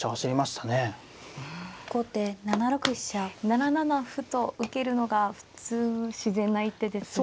７七歩と受けるのが普通自然な一手ですが。